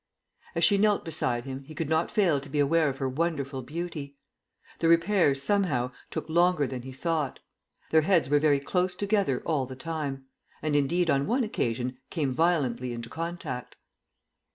As she knelt beside him he could not fail to be aware of her wonderful beauty. The repairs, somehow, took longer than he thought. Their heads were very close together all the time, and indeed on one occasion came violently into contact.